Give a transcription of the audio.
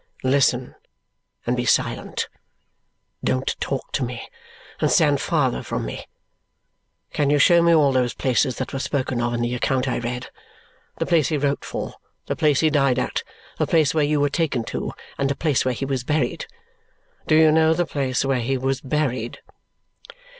"Listen and be silent. Don't talk to me, and stand farther from me! Can you show me all those places that were spoken of in the account I read? The place he wrote for, the place he died at, the place where you were taken to, and the place where he was buried? Do you know the place where he was buried?"